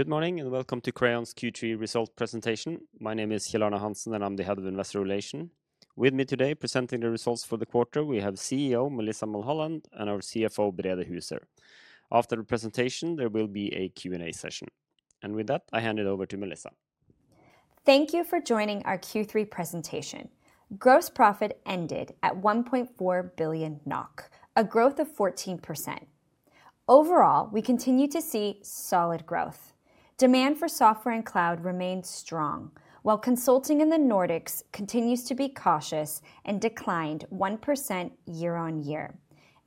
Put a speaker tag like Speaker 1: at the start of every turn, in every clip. Speaker 1: Good morning and welcome to Crayon's Q3 Results Presentation. My name is Kjell Arne Hansen, and I'm the Head of Investor Relations. With me today presenting the results for the quarter, we have CEO Melissa Mulholland and our CFO, Brede Huser. After the presentation, there will be a Q&A session, and with that, I hand it over to Melissa.
Speaker 2: Thank you for joining our Q3 presentation. Gross profit ended at 1.4 billion NOK, a growth of 14%. Overall, we continue to see solid growth. Demand for software and cloud remained strong, while consulting in the Nordics continues to be cautious and declined 1% year on year,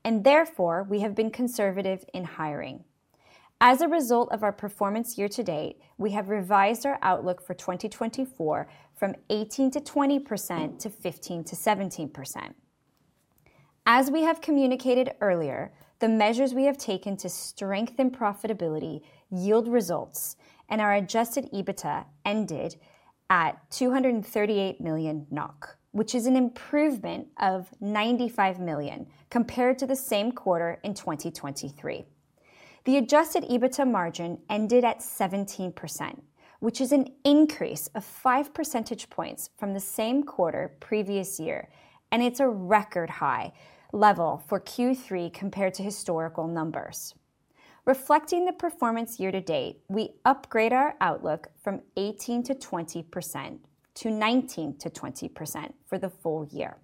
Speaker 2: and therefore, we have been conservative in hiring. As a result of our performance year to date, we have revised our outlook for 2024 from 18%-20% to 15%-17%. As we have communicated earlier, the measures we have taken to strengthen profitability yield results, and our adjusted EBITDA ended at 238 million NOK, which is an improvement of 95 million compared to the same quarter in 2023. The adjusted EBITDA margin ended at 17%, which is an increase of 5 percentage points from the same quarter previous year, and it's a record high level for Q3 compared to historical numbers. Reflecting the performance year to date, we upgrade our outlook from 18%-20% to 19%-20% for the full year.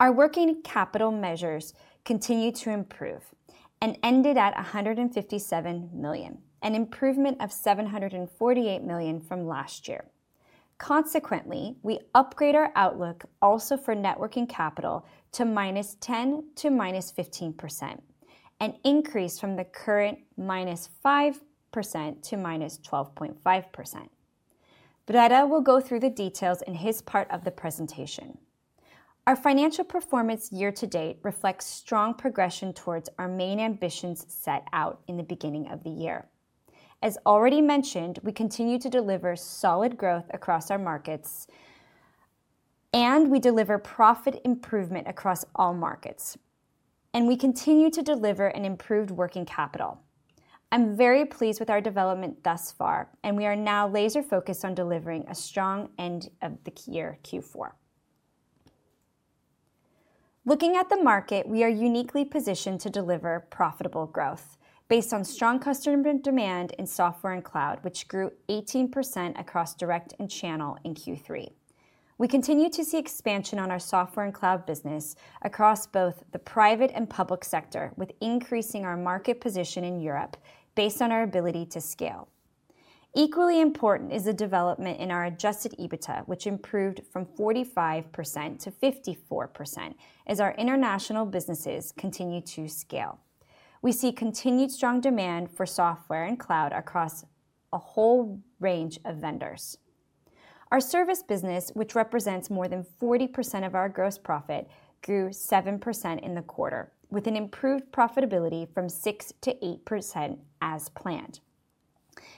Speaker 2: Our working capital measures continue to improve and ended at 157 million, an improvement of 748 million from last year. Consequently, we upgrade our outlook also for net working capital to -10% to -15%, an increase from the current -5% to -12.5%. Brede will go through the details in his part of the presentation. Our financial performance year to date reflects strong progression towards our main ambitions set out in the beginning of the year. As already mentioned, we continue to deliver solid growth across our markets, and we deliver profit improvement across all markets, and we continue to deliver an improved working capital. I'm very pleased with our development thus far, and we are now laser-focused on delivering a strong end of the year Q4. Looking at the market, we are uniquely positioned to deliver profitable growth based on strong customer demand in software and cloud, which grew 18% across direct and channel in Q3. We continue to see expansion on our software and cloud business across both the private and public sector, with increasing our market position in Europe based on our ability to scale. Equally important is the development in our adjusted EBITDA, which improved from 45% to 54% as our international businesses continue to scale. We see continued strong demand for software and cloud across a whole range of vendors. Our service business, which represents more than 40% of our gross profit, grew 7% in the quarter, with an improved profitability from 6% to 8% as planned.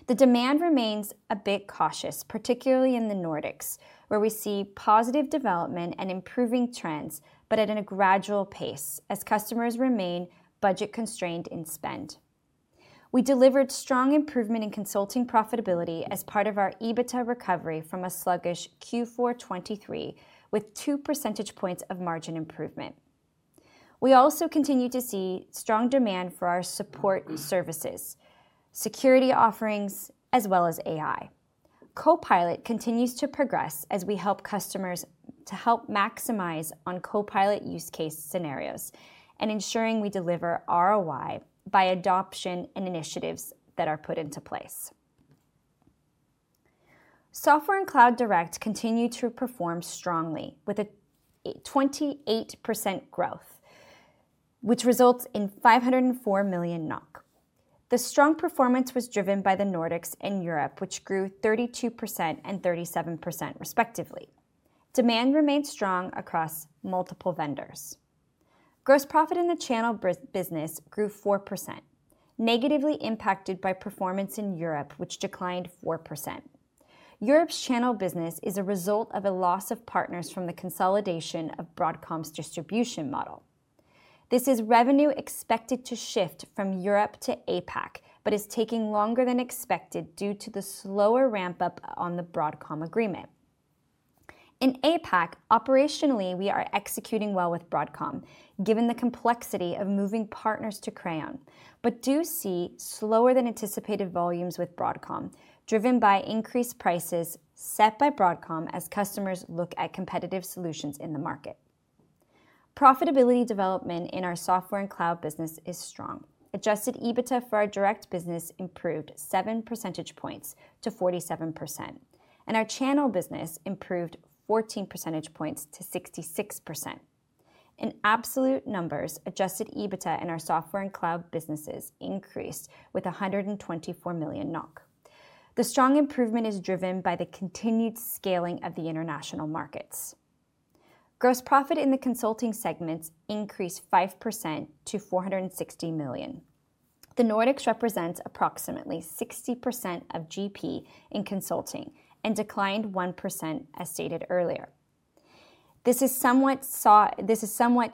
Speaker 2: The demand remains a bit cautious, particularly in the Nordics, where we see positive development and improving trends, but at a gradual pace as customers remain budget-constrained in spend. We delivered strong improvement in consulting profitability as part of our EBITDA recovery from a sluggish Q4 2023, with two percentage points of margin improvement. We also continue to see strong demand for our support services, security offerings, as well as AI. Copilot continues to progress as we help customers to help maximize on Copilot use case scenarios and ensuring we deliver ROI by adoption and initiatives that are put into place. Software & Cloud Direct continue to perform strongly with a 28% growth, which results in 504 million NOK. The strong performance was driven by the Nordics and Europe, which grew 32% and 37% respectively. Demand remained strong across multiple vendors. Gross profit in the channel business grew 4%, negatively impacted by performance in Europe, which declined 4%. Europe's channel business is a result of a loss of partners from the consolidation of Broadcom's distribution model. This is revenue expected to shift from Europe to APAC, but is taking longer than expected due to the slower ramp-up on the Broadcom agreement. In APAC, operationally, we are executing well with Broadcom, given the complexity of moving partners to Crayon. But do see slower than anticipated volumes with Broadcom, driven by increased prices set by Broadcom as customers look at competitive solutions in the market. Profitability development in our software and cloud business is strong. Adjusted EBITDA for our direct business improved 7 percentage points to 47%, and our channel business improved 14 percentage points to 66%. In absolute numbers, adjusted EBITDA in our software and cloud businesses increased with 124 million NOK. The strong improvement is driven by the continued scaling of the international markets. Gross profit in the consulting segments increased 5% to 460 million. The Nordics represents approximately 60% of GP in consulting and declined 1%, as stated earlier. This is somewhat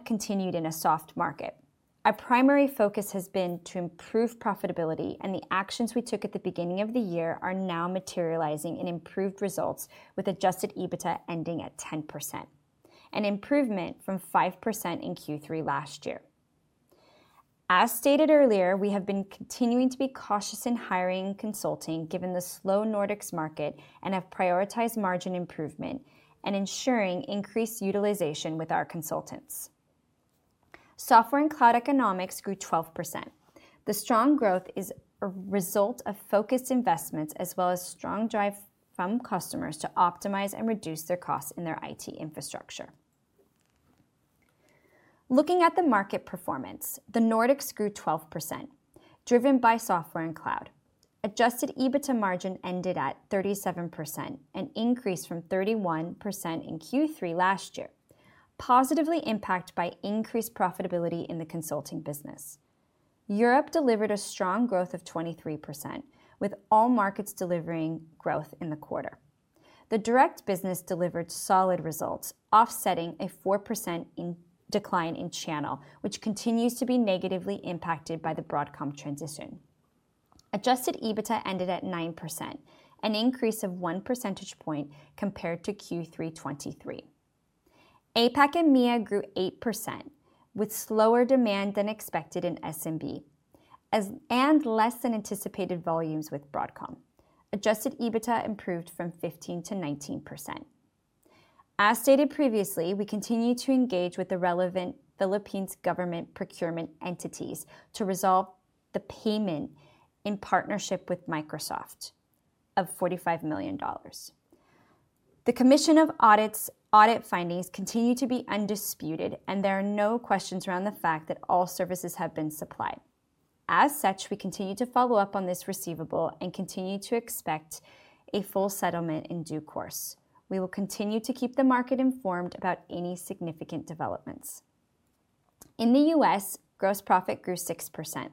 Speaker 2: continued in a soft market. Our primary focus has been to improve profitability, and the actions we took at the beginning of the year are now materializing in improved results, with adjusted EBITDA ending at 10%, an improvement from 5% in Q3 last year. As stated earlier, we have been continuing to be cautious in hiring consulting given the slow Nordics market and have prioritized margin improvement and ensuring increased utilization with our consultants. Software and Cloud Economics grew 12%. The strong growth is a result of focused investments as well as strong drive from customers to optimize and reduce their costs in their IT infrastructure. Looking at the market performance, the Nordics grew 12%, driven by software and cloud. Adjusted EBITDA margin ended at 37%, an increase from 31% in Q3 last year, positively impacted by increased profitability in the consulting business. Europe delivered a strong growth of 23%, with all markets delivering growth in the quarter. The direct business delivered solid results, offsetting a 4% decline in channel, which continues to be negatively impacted by the Broadcom transition. Adjusted EBITDA ended at 9%, an increase of 1 percentage point compared to Q3 2023. APAC and MEA grew 8%, with slower demand than expected in SMB and less than anticipated volumes with Broadcom. Adjusted EBITDA improved from 15% to 19%. As stated previously, we continue to engage with the relevant Philippines government procurement entities to resolve the payment in partnership with Microsoft of $45 million. The Commission on Audit's audit findings continue to be undisputed, and there are no questions around the fact that all services have been supplied. As such, we continue to follow up on this receivable and continue to expect a full settlement in due course. We will continue to keep the market informed about any significant developments. In the US, gross profit grew 6%.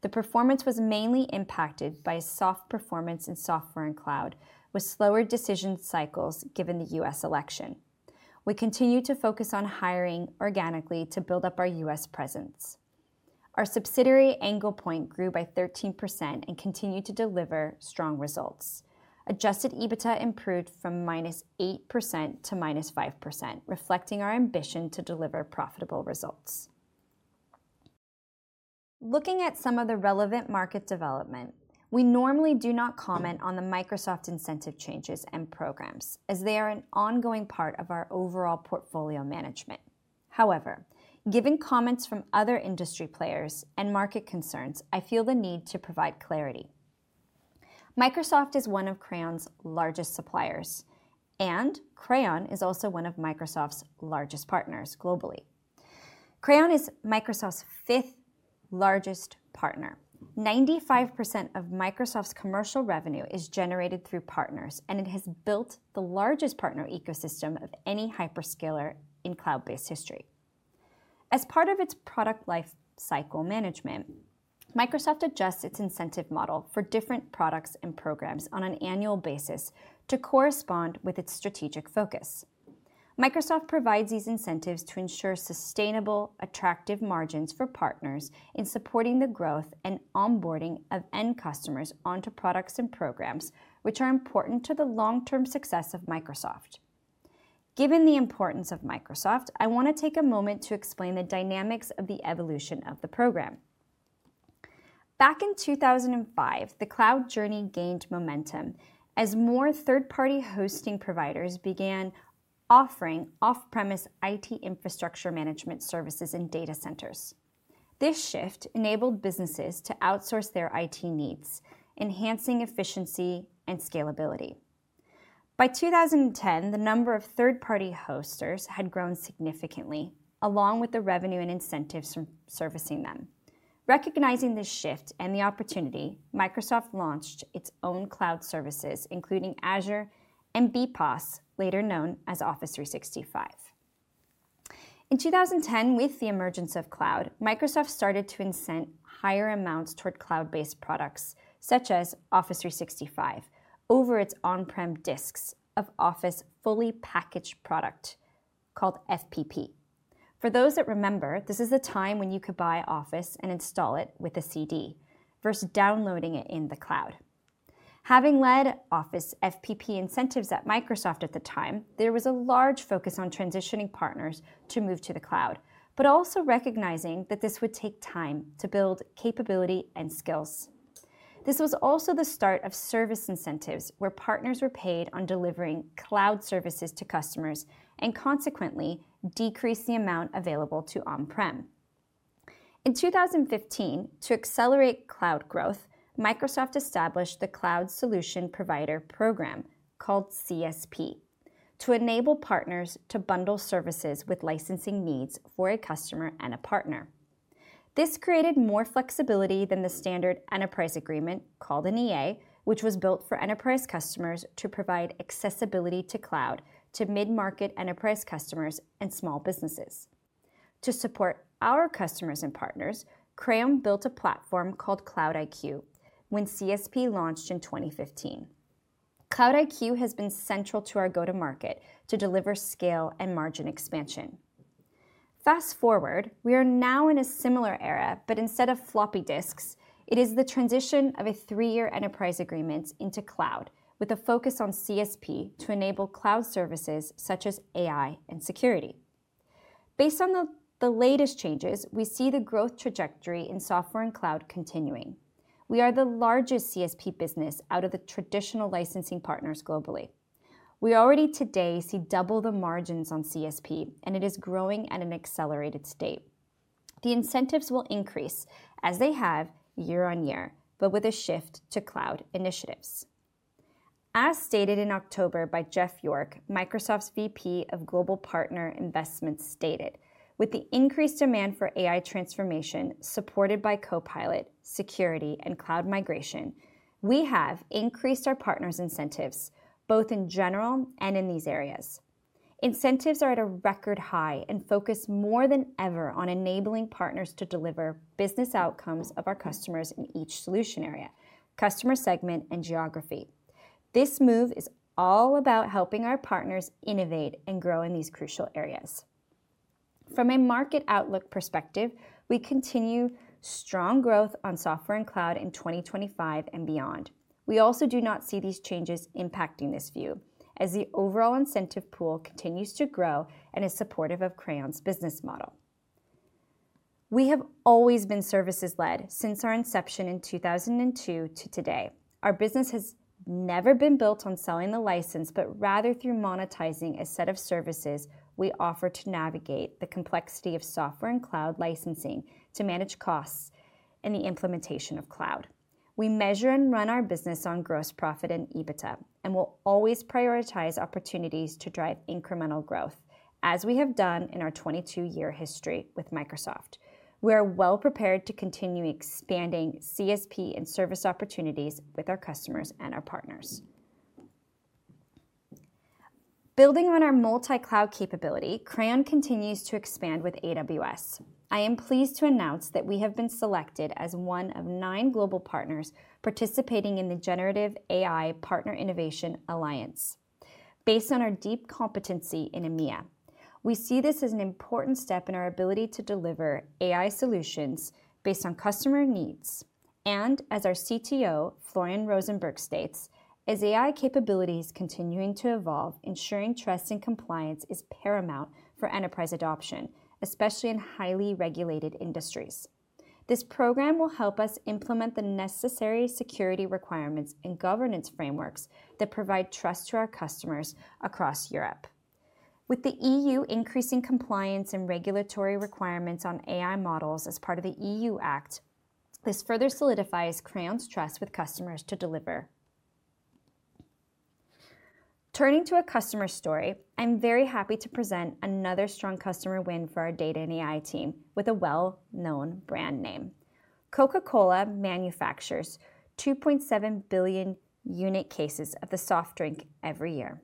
Speaker 2: The performance was mainly impacted by soft performance in software and cloud, with slower decision cycles given the US election. We continue to focus on hiring organically to build up our US presence. Our subsidiary Anglepoint grew by 13% and continued to deliver strong results. Adjusted EBITDA improved from -8% to -5%, reflecting our ambition to deliver profitable results. Looking at some of the relevant market development, we normally do not comment on the Microsoft incentive changes and programs, as they are an ongoing part of our overall portfolio management. However, given comments from other industry players and market concerns, I feel the need to provide clarity. Microsoft is one of Crayon's largest suppliers, and Crayon is also one of Microsoft's largest partners globally. Crayon is Microsoft's fifth largest partner. 95% of Microsoft's commercial revenue is generated through partners, and it has built the largest partner ecosystem of any hyperscaler in cloud-based history. As part of its product life cycle management, Microsoft adjusts its incentive model for different products and programs on an annual basis to correspond with its strategic focus. Microsoft provides these incentives to ensure sustainable, attractive margins for partners in supporting the growth and onboarding of end customers onto products and programs, which are important to the long-term success of Microsoft. Given the importance of Microsoft, I want to take a moment to explain the dynamics of the evolution of the program. Back in 2005, the cloud journey gained momentum as more third-party hosting providers began offering off-premise IT infrastructure management services in data centers. This shift enabled businesses to outsource their IT needs, enhancing efficiency and scalability. By 2010, the number of third-party hosters had grown significantly, along with the revenue and incentives from servicing them. Recognizing this shift and the opportunity, Microsoft launched its own cloud services, including Azure and BPOS, later known as Office 365.In 2010, with the emergence of cloud, Microsoft started to incent higher amounts toward cloud-based products such as Office 365 over its on-prem disks of Office fully packaged product called FPP. For those that remember, this is the time when you could buy Office and install it with a CD versus downloading it in the cloud. Having led Office FPP incentives at Microsoft at the time, there was a large focus on transitioning partners to move to the cloud, but also recognizing that this would take time to build capability and skills. This was also the start of service incentives, where partners were paid on delivering cloud services to customers and consequently decreased the amount available to on-prem. In 2015, to accelerate cloud growth, Microsoft established the Cloud Solution Provider Program called CSP to enable partners to bundle services with licensing needs for a customer and a partner. This created more flexibility than the standard enterprise agreement called an EA, which was built for enterprise customers to provide accessibility to cloud to mid-market enterprise customers and small businesses. To support our customers and partners, Crayon built a platform called Cloud IQ when CSP launched in 2015. Cloud IQ has been central to our go-to-market to deliver scale and margin expansion. Fast forward, we are now in a similar era, but instead of floppy disks, it is the transition of a three-year enterprise agreement into cloud with a focus on CSP to enable cloud services such as AI and security. Based on the latest changes, we see the growth trajectory in software and cloud continuing. We are the largest CSP business out of the traditional licensing partners globally. We already today see double the margins on CSP, and it is growing at an accelerated state. The incentives will increase as they have year on year, but with a shift to cloud initiatives. As stated in October by Jeff York, Microsoft's Vice President of Global Partner Investments, "With the increased demand for AI transformation supported by Copilot, security, and cloud migration, we have increased our partners' incentives both in general and in these areas. Incentives are at a record high and focus more than ever on enabling partners to deliver business outcomes of our customers in each solution area, customer segment, and geography. This move is all about helping our partners innovate and grow in these crucial areas." From a market outlook perspective, we continue strong growth on software and cloud in 2025 and beyond. We also do not see these changes impacting this view as the overall incentive pool continues to grow and is supportive of Crayon's business model. We have always been services-led since our inception in 2002 to today. Our business has never been built on selling the license, but rather through monetizing a set of services we offer to navigate the complexity of software and cloud licensing to manage costs and the implementation of cloud. We measure and run our business on gross profit and EBITDA, and we'll always prioritize opportunities to drive incremental growth, as we have done in our 22-year history with Microsoft. We are well prepared to continue expanding CSP and service opportunities with our customers and our partners. Building on our multi-cloud capability, Crayon continues to expand with AWS. I am pleased to announce that we have been selected as one of nine global partners participating in the Generative AI Partner Innovation Alliance. Based on our deep competency in EMEA, we see this as an important step in our ability to deliver AI solutions based on customer needs. And as our CTO, Florian Rosenberg, states, "As AI capabilities continue to evolve, ensuring trust and compliance is paramount for enterprise adoption, especially in highly regulated industries. This program will help us implement the necessary security requirements and governance frameworks that provide trust to our customers across Europe." With the EU increasing compliance and regulatory requirements on AI models as part of the EU AI Act, this further solidifies Crayon's trust with customers to deliver. Turning to a customer story, I'm very happy to present another strong customer win for our data and AI team with a well-known brand name. Coca-Cola manufactures 2.7 billion unit cases of the soft drink every year.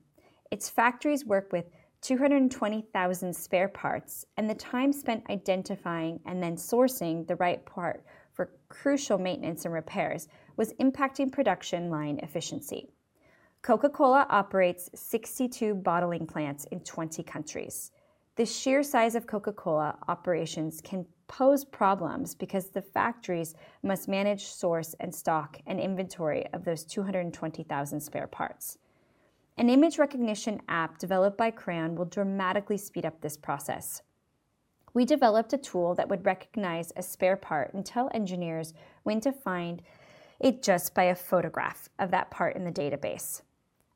Speaker 2: Its factories work with 220,000 spare parts, and the time spent identifying and then sourcing the right part for crucial maintenance and repairs was impacting production line efficiency. Coca-Cola operates 62 bottling plants in 20 countries. The sheer size of Coca-Cola operations can pose problems because the factories must manage source and stock and inventory of those 220,000 spare parts. An image recognition app developed by Crayon will dramatically speed up this process. We developed a tool that would recognize a spare part and tell engineers when to find it just by a photograph of that part in the database.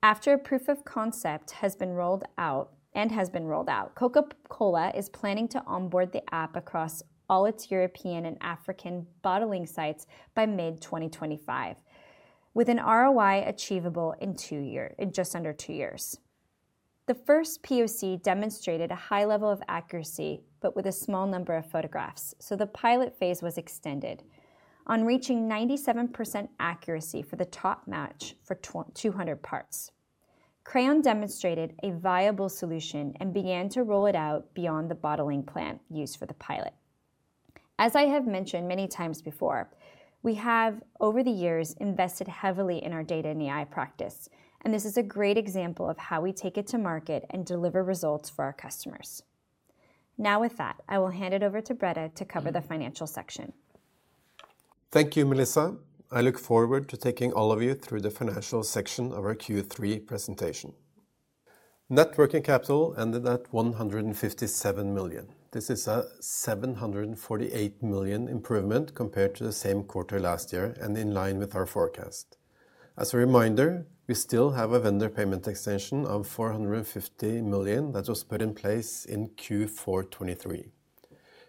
Speaker 2: After a proof of concept has been rolled out, Coca-Cola is planning to onboard the app across all its European and African bottling sites by mid-2025, with an ROI achievable in two years, in just under two years. The first POC demonstrated a high level of accuracy, but with a small number of photographs, so the pilot phase was extended on reaching 97% accuracy for the top match for 200 parts. Crayon demonstrated a viable solution and began to roll it out beyond the bottling plant used for the pilot. As I have mentioned many times before, we have, over the years, invested heavily in our data and AI practice, and this is a great example of how we take it to market and deliver results for our customers. Now, with that, I will hand it over to Brede to cover the financial section.
Speaker 3: Thank you, Melissa. I look forward to taking all of you through the financial section of our Q3 presentation. Net working capital ended at 157 million. This is a 748 million improvement compared to the same quarter last year and in line with our forecast. As a reminder, we still have a vendor payment extension of 450 million that was put in place in Q4 2023.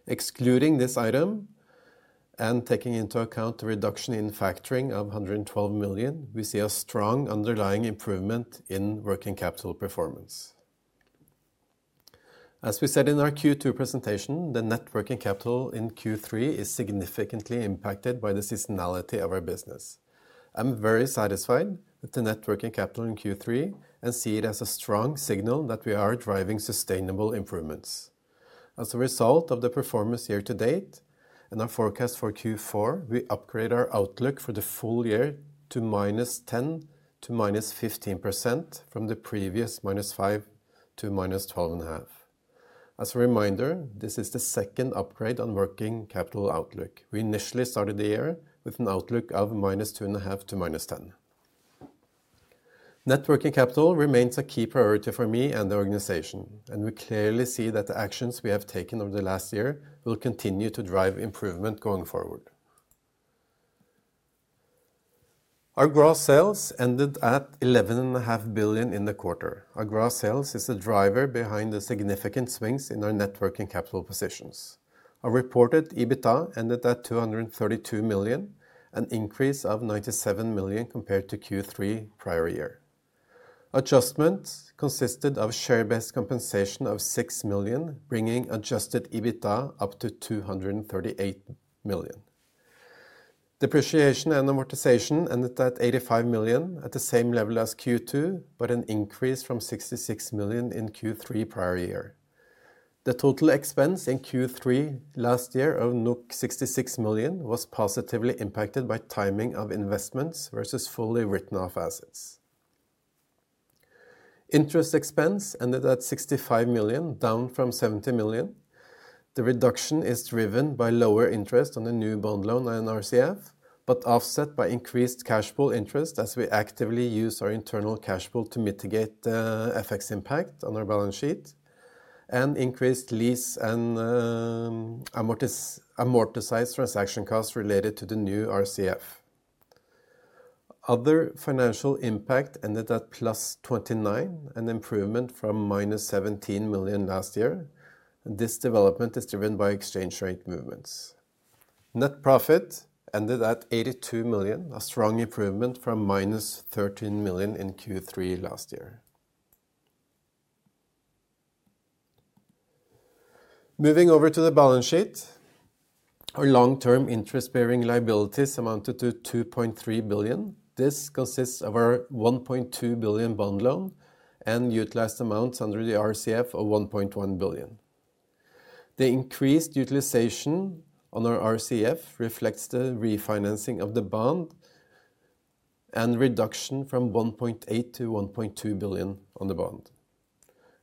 Speaker 3: Excluding this item and taking into account the reduction in factoring of 112 million, we see a strong underlying improvement in working capital performance. As we said in our Q2 presentation, the net working capital in Q3 is significantly impacted by the seasonality of our business. I'm very satisfied with the net working capital in Q3 and see it as a strong signal that we are driving sustainable improvements. As a result of the performance year to date and our forecast for Q4, we upgrade our outlook for the full year to -10% to -15% from the previous -5% to -12.5%. As a reminder, this is the second upgrade on working capital outlook. We initially started the year with an outlook of -2.5% to -10%. Net working capital remains a key priority for me and the organization, and we clearly see that the actions we have taken over the last year will continue to drive improvement going forward. Our gross sales ended at 11.5 billion in the quarter. Our gross sales is a driver behind the significant swings in our net working capital positions. Our reported EBITDA ended at 232 million, an increase of 97 million compared to Q3 prior year. Adjustment consisted of share-based compensation of 6 million, bringing adjusted EBITDA up to 238 million. Depreciation and amortization ended at 85 million at the same level as Q2, but an increase from 66 million in Q3 prior year. The total expense in Q3 last year of 66 million was positively impacted by timing of investments versus fully written-off assets. Interest expense ended at 65 million, down from 70 million. The reduction is driven by lower interest on the new bond loan and RCF, but offset by increased cash pool interest as we actively use our internal cash pool to mitigate the FX impact on our balance sheet and increased lease and amortized transaction costs related to the new RCF. Other financial impact ended at plus 29 million, an improvement from minus 17 million last year. This development is driven by exchange rate movements. Net profit ended at 82 million, a strong improvement from minus 13 million in Q3 last year. Moving over to the balance sheet, our long-term interest-bearing liabilities amounted to 2.3 billion. This consists of our 1.2 billion bond loan and utilized amounts under the RCF of 1.1 billion. The increased utilization on our RCF reflects the refinancing of the bond and reduction from 1.8 billion to 1.2 billion on the bond.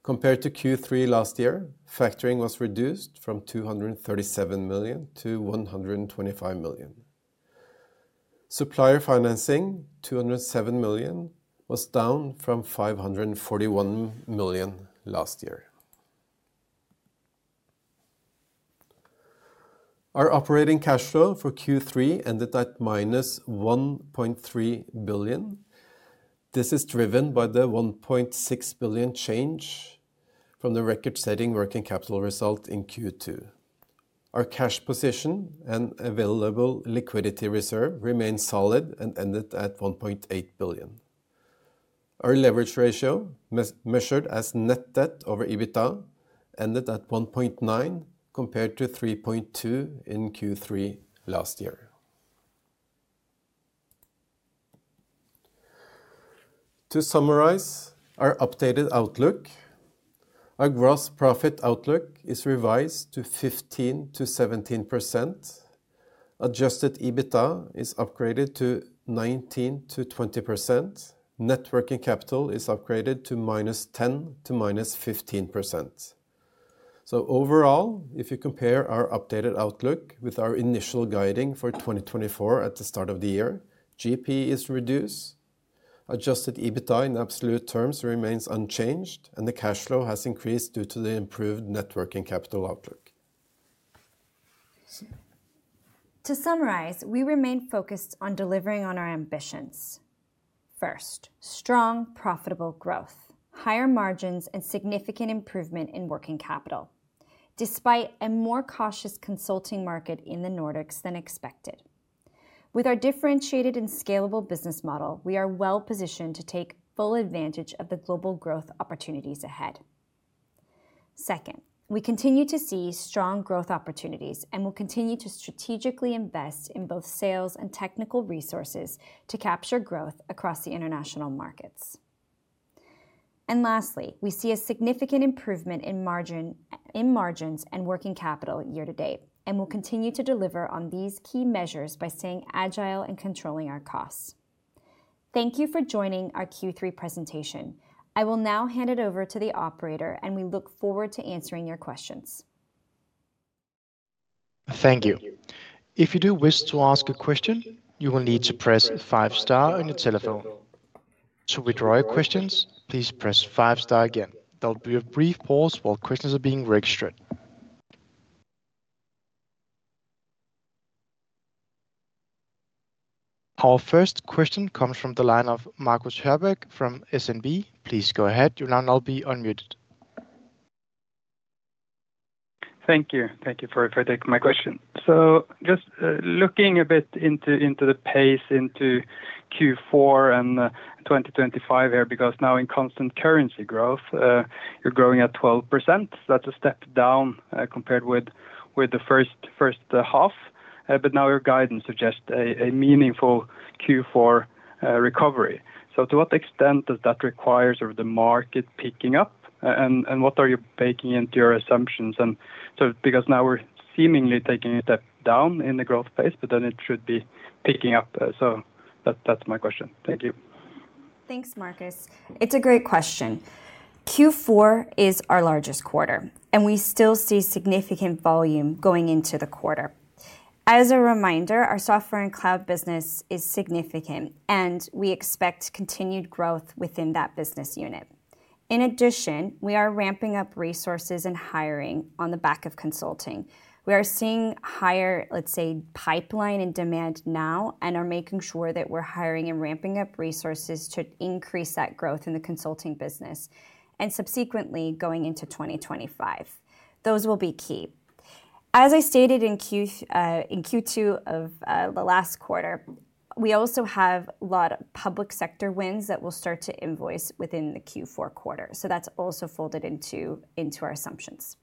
Speaker 3: Compared to Q3 last year, factoring was reduced from 237 million to 125 million. Supplier financing, 207 million, was down from 541 million last year. Our operating cash flow for Q3 ended at minus 1.3 billion. This is driven by the 1.6 billion change from the record-setting working capital result in Q2. Our cash position and available liquidity reserve remained solid and ended at 1.8 billion. Our leverage ratio, measured as net debt over EBITDA, ended at 1.9 compared to 3.2 in Q3 last year. To summarize our updated outlook, our gross profit outlook is revised to 15% to 17%. Adjusted EBITDA is upgraded to 19% to 20%. Net working capital is upgraded to -10% to -15%. So overall, if you compare our updated outlook with our initial guiding for 2024 at the start of the year, GP is reduced. Adjusted EBITDA in absolute terms remains unchanged, and the cash flow has increased due to the improved net working capital outlook.
Speaker 2: To summarize, we remain focused on delivering on our ambitions. First, strong, profitable growth, higher margins, and significant improvement in working capital, despite a more cautious consulting market in the Nordics than expected. With our differentiated and scalable business model, we are well positioned to take full advantage of the global growth opportunities ahead. Second, we continue to see strong growth opportunities and will continue to strategically invest in both sales and technical resources to capture growth across the international markets. And lastly, we see a significant improvement in margins and working capital year to date and will continue to deliver on these key measures by staying agile and controlling our costs. Thank you for joining our Q3 presentation. I will now hand it over to the operator, and we look forward to answering your questions.
Speaker 4: Thank you. If you do wish to ask a question, you will need to press five star on your telephone. To withdraw your questions, please press five star again. There will be a brief pause while questions are being registered. Our first question comes from the line of Markus Heiberg from SEB. Please go ahead. Your line will be unmuted.
Speaker 5: Thank you. Thank you for taking my question. So just looking a bit into the pace into Q4 and 2025 here, because now in constant currency growth, you're growing at 12%. That's a step down compared with the first half. But now your guidance suggests a meaningful Q4 recovery. So to what extent does that require sort of the market picking up? And what are you baking into your assumptions? Because now we're seemingly taking a step down in the growth pace, but then it should be picking up. That's my question. Thank you.
Speaker 2: Thanks, Markus. It's a great question. Q4 is our largest quarter, and we still see significant volume going into the quarter. As a reminder, our software and cloud business is significant, and we expect continued growth within that business unit. In addition, we are ramping up resources and hiring on the back of consulting. We are seeing higher, let's say, pipeline and demand now and are making sure that we're hiring and ramping up resources to increase that growth in the consulting business and subsequently going into 2025. Those will be key. As I stated in Q2 of the last quarter, we also have a lot of public sector wins that will start to invoice within the Q4 quarter. So that's also folded into our assumptions.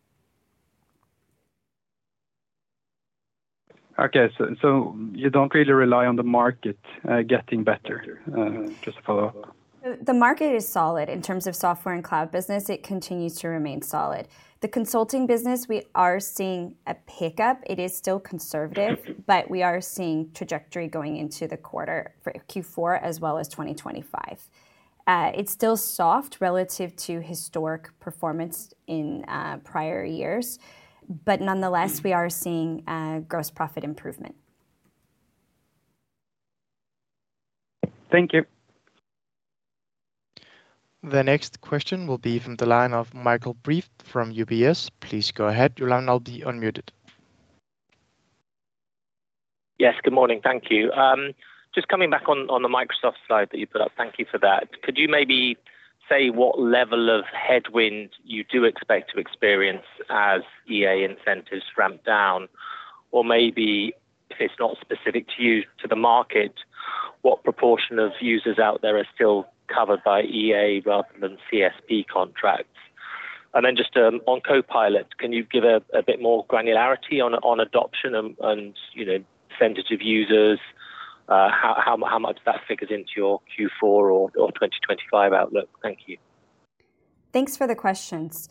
Speaker 5: Okay, so you don't really rely on the market getting better. Just to follow up.
Speaker 2: The market is solid in terms of software and cloud business. It continues to remain solid. The consulting business, we are seeing a pickup. It is still conservative, but we are seeing trajectory going into the quarter for Q4 as well as 2025. It's still soft relative to historic performance in prior years, but nonetheless, we are seeing gross profit improvement.
Speaker 5: Thank you.
Speaker 4: The next question will be from the line of Michael Briest from UBS. Please go ahead. Your line will be unmuted.
Speaker 6: Yes, good morning. Thank you. Just coming back on the Microsoft side that you put up, thank you for that. Could you maybe say what level of headwind you do expect to experience as EA incentives ramp down? Or maybe if it's not specific to you, to the market, what proportion of users out there are still covered by EA rather than CSP contracts? And then just on Copilot, can you give a bit more granularity on adoption and percentage of users? How much of that figures into your Q4 or 2025 outlook? Thank you.
Speaker 2: Thanks for the questions.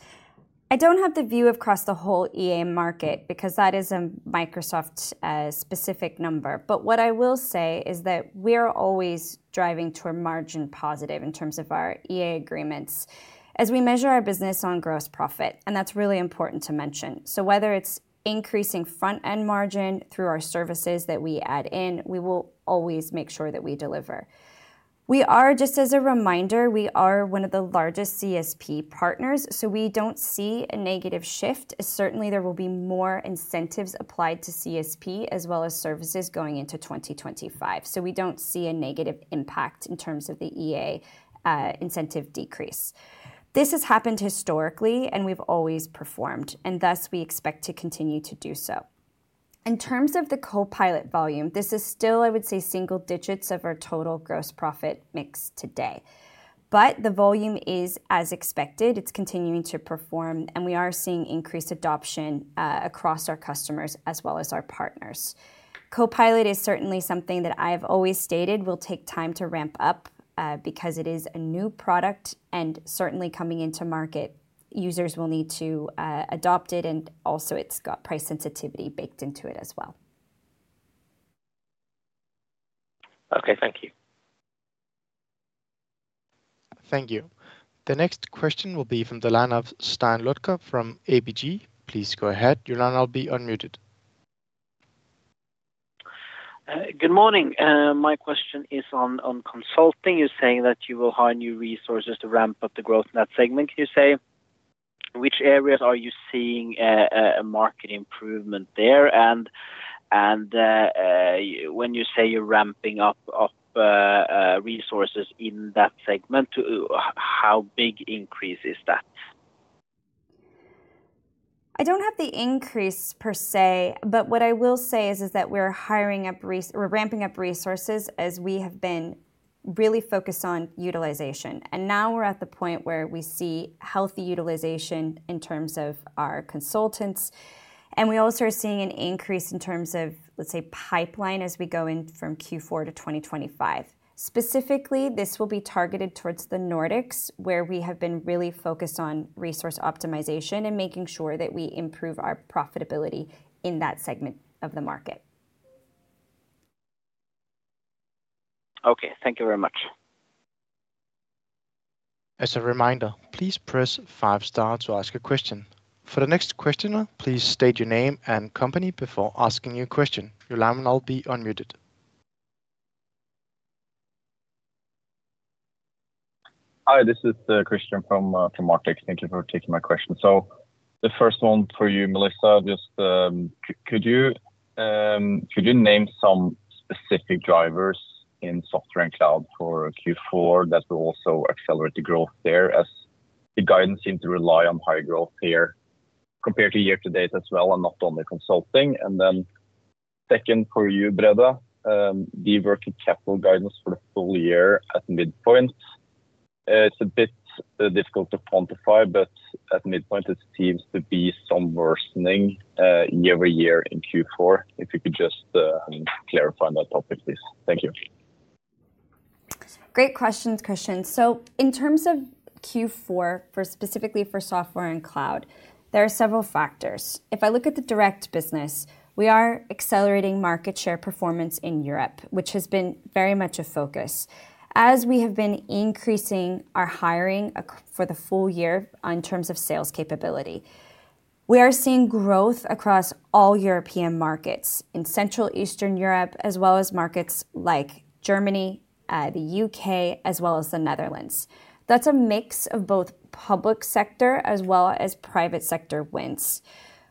Speaker 2: I don't have the view across the whole EA market because that is a Microsoft-specific number. But what I will say is that we are always driving toward margin positive in terms of our EA agreements as we measure our business on gross profit. And that's really important to mention. So whether it's increasing front-end margin through our services that we add in, we will always make sure that we deliver. We are, just as a reminder, we are one of the largest CSP partners, so we don't see a negative shift. Certainly, there will be more incentives applied to CSP as well as services going into 2025. So we don't see a negative impact in terms of the EA incentive decrease. This has happened historically, and we've always performed, and thus we expect to continue to do so. In terms of the Copilot volume, this is still, I would say, single digits of our total gross profit mix today. But the volume is as expected. It's continuing to perform, and we are seeing increased adoption across our customers as well as our partners. Copilot is certainly something that I have always stated will take time to ramp up because it is a new product and certainly coming into market. Users will need to adopt it, and also it's got price sensitivity baked into it as well.
Speaker 6: Okay, thank you.
Speaker 4: Thank you. The next question will be from the line of Øystein Lodgaard from ABG. Please go ahead. Your line will be unmuted.
Speaker 7: Good morning. My question is on consulting. You're saying that you will hire new resources to ramp up the growth in that segment, you say. Which areas are you seeing a market improvement there? And when you say you're ramping up resources in that segment, how big an increase is that?
Speaker 2: I don't have the increase per se, but what I will say is that we're hiring up, we're ramping up resources as we have been really focused on utilization. And now we're at the point where we see healthy utilization in terms of our consultants. And we also are seeing an increase in terms of, let's say, pipeline as we go in from Q4 to 2025. Specifically, this will be targeted towards the Nordics, where we have been really focused on resource optimization and making sure that we improve our profitability in that segment of the market.
Speaker 7: Okay, thank you very much.
Speaker 4: As a reminder, please press five star to ask a question. For the next questioner, please state your name and company before asking your question. Your line will be unmuted.
Speaker 8: Hi, this is Kristian from Arctic. Thank you for taking my question. So the first one for you, Melissa, just could you name some specific drivers in software and cloud for Q4 that will also accelerate the growth there as the guidance seems to rely on high growth here compared to year to date as well and not only consulting? And then second for you, Brede, the working capital guidance for the full year at midpoint. It's a bit difficult to quantify, but at midpoint, it seems to be some worsening year over year in Q4. If you could just clarify on that topic, please. Thank you.
Speaker 2: Great questions, Kristian. In terms of Q4, specifically for software and cloud, there are several factors. If I look at the direct business, we are accelerating market share performance in Europe, which has been very much a focus. As we have been increasing our hiring for the full year in terms of sales capability, we are seeing growth across all European markets in Central and Eastern Europe, as well as markets like Germany, the U.K., as well as the Netherlands. That's a mix of both public sector as well as private sector wins.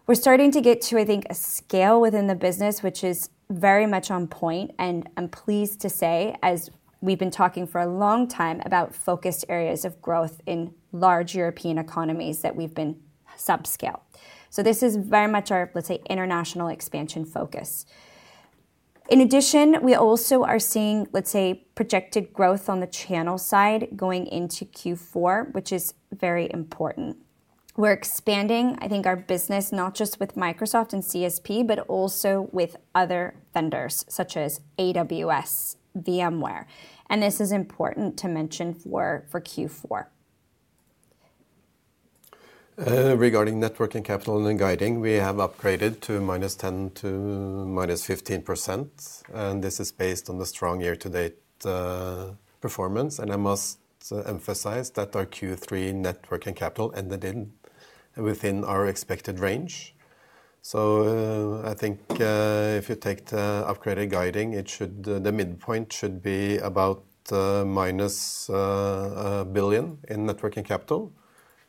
Speaker 2: We're starting to get to, I think, a scale within the business, which is very much on point. And I'm pleased to say, as we've been talking for a long time about focused areas of growth in large European economies that we've been subscale. So this is very much our, let's say, international expansion focus. In addition, we also are seeing, let's say, projected growth on the channel side going into Q4, which is very important. We're expanding, I think, our business not just with Microsoft and CSP, but also with other vendors such as AWS, VMware. And this is important to mention for Q4.
Speaker 3: Regarding working capital and guiding, we have upgraded to -10% to -15%. And this is based on the strong year-to-date performance. And I must emphasize that our Q3 working capital ended within our expected range. So I think if you take the upgraded guidance, the midpoint should be about minus 1 billion in net working capital.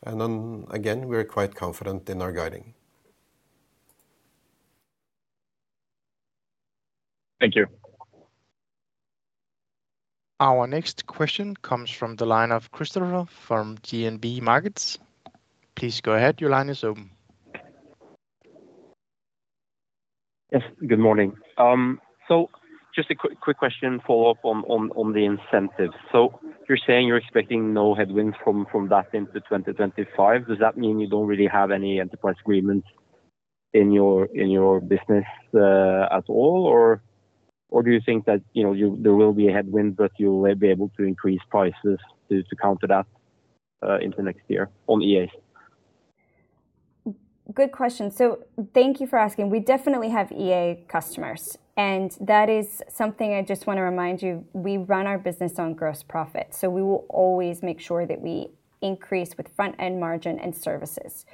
Speaker 3: And then again, we're quite confident in our guidance.
Speaker 8: Thank you.
Speaker 4: Our next question comes from the line of Christoffer from DNB Markets. Please go ahead. Your line is open.
Speaker 9: Yes, good morning. So just a quick question follow-up on the incentives. So you're saying you're expecting no headwinds from that into 2025. Does that mean you don't really have any enterprise agreements in your business at all? Or do you think that there will be a headwind, but you'll be able to increase prices to counter that into next year on EAs?
Speaker 2: Good question. So thank you for asking. We definitely have EA customers. And that is something I just want to remind you. We run our business on gross profit. So we will always make sure that we increase with front-end margin and services.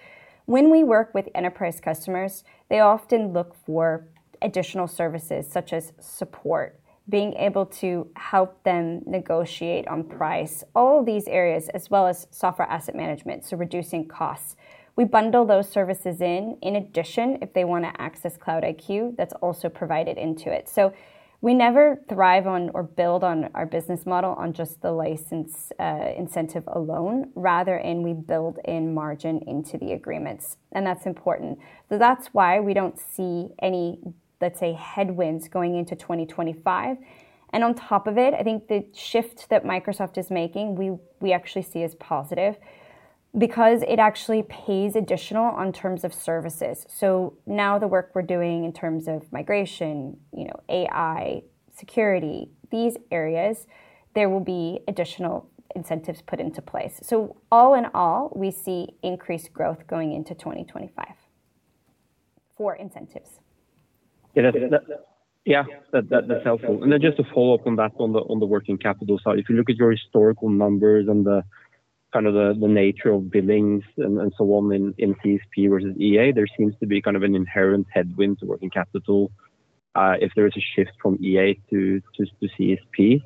Speaker 2: When we work with enterprise customers, they often look for additional services such as support, being able to help them negotiate on price, all these areas, as well as software asset management, so reducing costs. We bundle those services in. In addition, if they want to access Cloud IQ, that's also provided into it. So we never thrive on or build on our business model on just the license incentive alone, rather than we build in margin into the agreements. And that's important. So that's why we don't see any, let's say, headwinds going into 2025. And on top of it, I think the shift that Microsoft is making, we actually see as positive because it actually pays additional on terms of services. So now the work we're doing in terms of migration, AI, security, these areas, there will be additional incentives put into place. So all in all, we see increased growth going into 2025 for incentives.
Speaker 9: Yeah, that's helpful. And then just to follow up on that on the working capital side, if you look at your historical numbers and the kind of the nature of billings and so on in CSP versus EA, there seems to be kind of an inherent headwind to working capital if there is a shift from EA to CSP.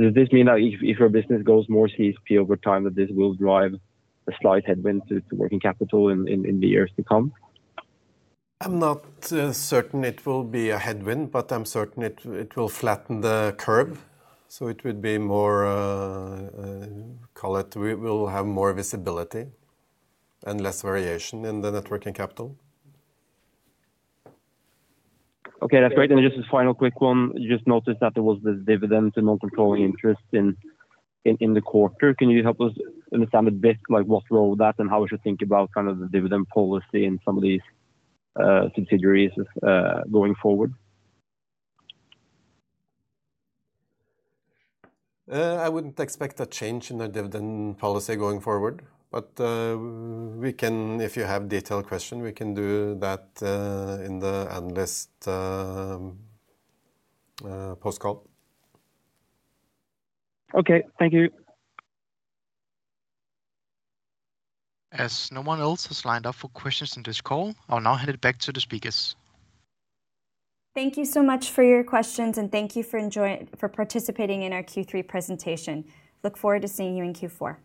Speaker 9: Does this mean that if your business goes more CSP over time, that this will drive a slight headwind to working capital in the years to come?
Speaker 3: I'm not certain it will be a headwind, but I'm certain it will flatten the curve. So it would be more, call it, we will have more visibility and less variation in the net working capital.
Speaker 9: Okay, that's great. And just a final quick one. You just noticed that there was this dividend and non-controlling interest in the quarter. Can you help us understand a bit like what role that and how we should think about kind of the dividend policy in some of these subsidiaries going forward?
Speaker 3: I wouldn't expect a change in the dividend policy going forward, but if you have a detailed question, we can do that in the analyst post call.
Speaker 9: Okay, thank you.
Speaker 4: As no one else has lined up for questions in this call, I'll now hand it back to the speakers.
Speaker 2: Thank you so much for your questions and thank you for participating in our Q3 presentation. Look forward to seeing you in Q4.